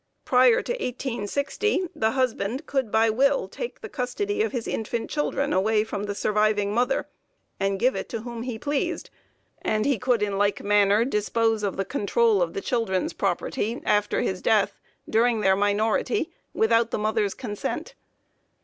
Prior to 1860, the husband could by will take the custody of his infant children away from the surviving mother, and give it to whom he pleased and he could in like manner dispose of the control of the children's property, after his death, during their minority, without the mother's consent.